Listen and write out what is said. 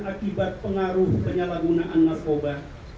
akibat pengaruh penyalahgunaan narkoba